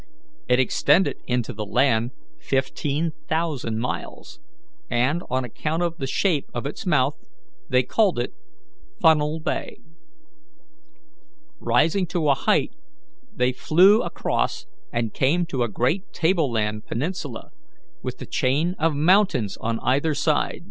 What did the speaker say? It extended into the land fifteen thousand miles, and, on account of the shape of its mouth, they called it Funnel Bay. Rising to a height, they flew across, and came to a great table land peninsula, with a chain of mountains on either side.